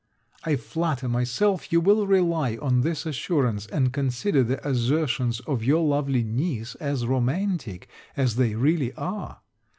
I flatter myself you will rely on this assurance, and consider the assertions of your lovely niece as romantic as they really are.